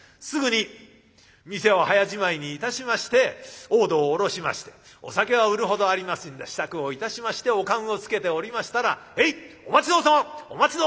すぐに店を早じまいにいたしまして大戸を下ろしましてお酒は売るほどありますんで支度をいたしましておかんをつけておりましたら「へいお待ち遠さま。